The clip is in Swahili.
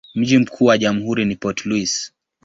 Mji mkuu wa jamhuri ni Port Louis.